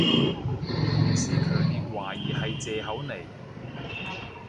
同事強烈懷疑係藉口嚟